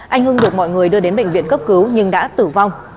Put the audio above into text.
anh hưng được mọi người đưa đến bệnh viện cấp cứu nhưng đã tử vong